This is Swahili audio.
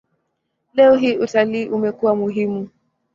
Leo hii utalii umekuwa muhimu.